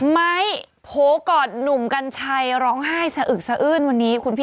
ไมค์โฮก่อนหนุ่มกัญชัยร้องไห้สะอึกสะอื้นวันนี้